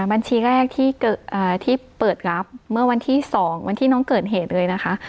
บัญชีแรกที่เปิดรับเมื่อวันที่๒วันที่น้องเกิดเหตุเลยนะคะ